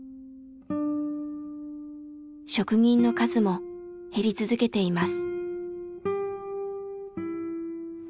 職人の数も減り続けています。